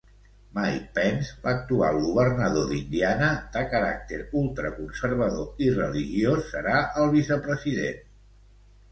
Mike Pence, l'actual governador d'Indiana, de caràcter ultraconservador i religiós, serà el vicepresident.